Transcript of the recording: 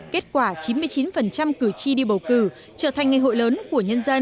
kết quả chín mươi chín cử tri đi bầu cử trở thành ngày hội lớn của nhân dân